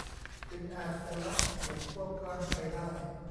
จึงอาจจะละเสียงควบกล้ำไปได้